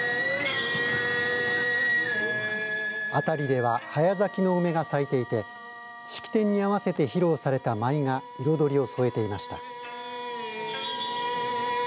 辺りでは早咲きの梅が咲いていて式典に合わせて披露された舞が彩りを添えていました。